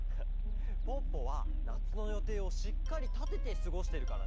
ポッポはなつのよていをしっかりたててすごしてるからね。